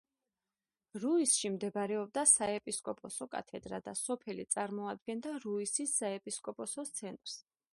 რუისში მდებარეობდა საეპისკოპოსო კათედრა და სოფელი წარმოადგენდა რუისის საეპისკოპოს ცენტრს.